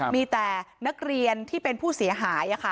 มีแต่นักเรียนที่เป็นผู้เสียหาย